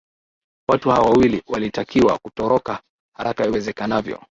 watu hao wawili walitakiwa kutoroka haraka iwezekanavyo